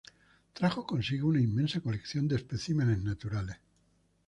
Trajo consigo una inmensa colección de especímenes naturales.